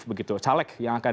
begitu caleg yang akan